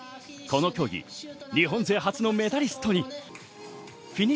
この競技日本勢初のメダリストに。